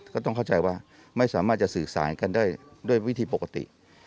ก็ต้องเข้าใจว่าไม่สามารถจะสื่อสารกันได้ด้วยวิธีปกติ